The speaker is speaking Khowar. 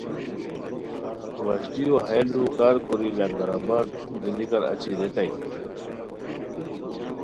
وشلیو ہیہ لوؤ کار کوری لنگرآباد پُھک دونیکار اچی ریتائے